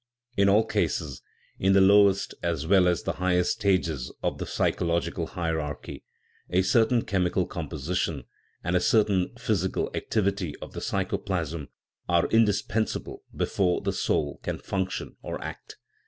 In all cases, in the lowest as well as the highest stages of the psychological hierarchy, a cer tain chemical composition and a certain physical ac tivity of the psychoplasm are indispensable before the * soul" can function or act.